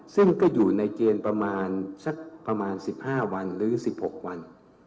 ซึ่งก็อยู่ในเจนประมาณ๑๕วันหรือ๑๖วัน